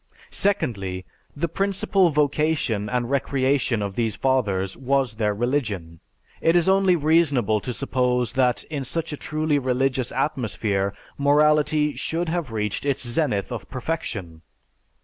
Secondly, the principal vocation and recreation of these Fathers was their religion. It is only reasonable to suppose that in such a truly religious atmosphere morality should have reached its zenith of perfection.